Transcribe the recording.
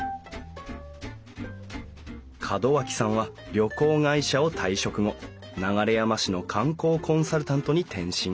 門脇さんは旅行会社を退職後流山市の観光コンサルタントに転身。